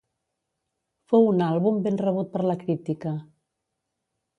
Fou un àlbum ben rebut per la crítica.